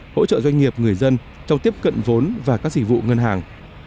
hỗ trợ doanh nghiệp người dân trong tiếp cận vốn và các dịch vụ ngân hàng